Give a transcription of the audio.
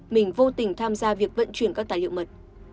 mình vô tình tham gia việc vận chuyển các tài liệu mật